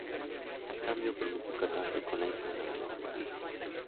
A cambio, prometió casarse con la hija mayor de Felipe.